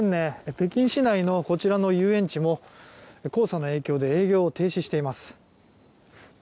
北京市内のこちらの遊園地も黄砂の影響で営業を停止しています。